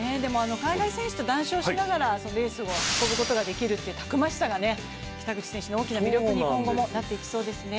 海外選手と談笑しながらレースを運ぶことができるというたくましさが北口選手の大きな魅力に今後もなっていきそうですね。